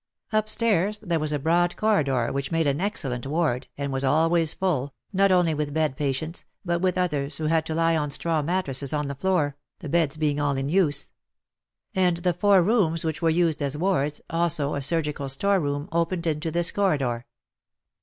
Upstairs there was a broad corridor which made an excellent ward, and was always full, not only with bed patients, but with others who had to lie on straw mattresses on the floor, the beds being all in use ; and the four rooms which were used as wards, also a surgical store room, opened into this corridor.